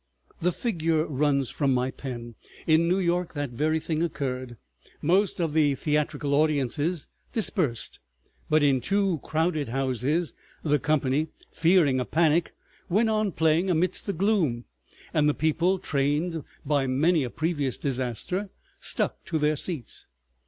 The figure runs from my pen. In New York that very thing occurred. Most of the theatrical audiences dispersed, but in two crowded houses the company, fearing a panic, went on playing amidst the gloom, and the people, trained by many a previous disaster, stuck to their seats.